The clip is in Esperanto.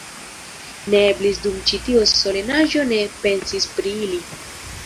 Ne eblis dum ĉi tiu solenaĵo ne pensi pri ili.